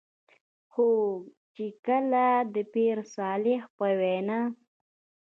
خو چې کله د پير صالح په وېنا